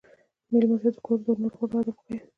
مېلمه ته د کور د نورو غړو ادب وښایه.